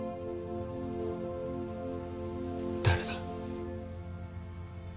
誰だ？